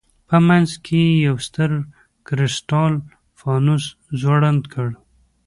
په منځ کې یې یو ستر کرسټال فانوس ځوړند کړ.